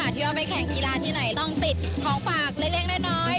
ที่ว่าไปแข่งกีฬาที่ไหนต้องติดของฝากเล็กน้อย